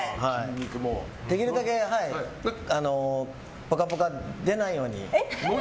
できるだけ「ぽかぽか」出ないように。